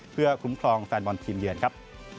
เพื่อคุ้มครองแฟนบอลทีมเยือนครับ